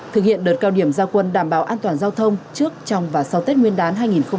thực hiện đợt cao điểm gia quân đảm bảo an toàn giao thông trước trong và sau tết nguyên đán hai nghìn hai mươi